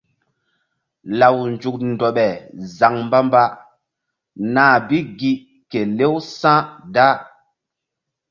Law nzuk ndoɓe zaŋ mbamba nah bi gi kelew sa̧ da.